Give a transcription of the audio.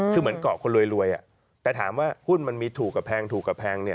คือเหมือนเกาะคนรวยแต่ถามว่าหุ้นมันมีถูกกับแพง